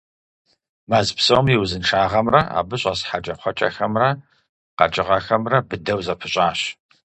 Мэз псом и узыншагъэмрэ абы щӏэс хьэкӏэкхъуэкӏэхэмрэ къэкӏыгъэхэмрэ быдэу зэпыщӀащ.